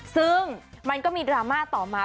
ซึ่งมันก็มีดราม่าต่อมา